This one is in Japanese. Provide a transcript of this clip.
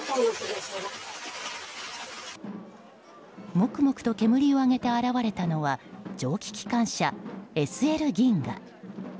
もくもくと煙を上げて現れたのは蒸気機関車「ＳＬ銀河」。